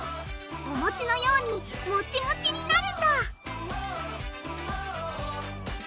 おもちのようにモチモチになるんだ！